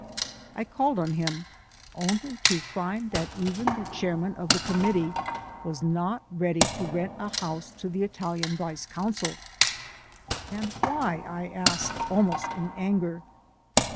I called on him only to find that even the chairman of the Com mittee was not ready to rent a house to the Italian Vice Consul. "And why?" I asked, almost in anger.